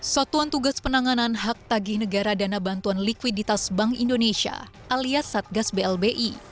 satuan tugas penanganan hak tagih negara dana bantuan likuiditas bank indonesia alias satgas blbi